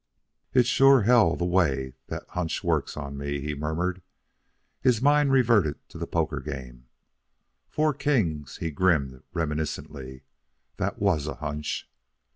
"It's sure hell the way that hunch works on me" he murmured. His mind reverted to the poker game. "Four kings!" He grinned reminiscently. "That WAS a hunch!"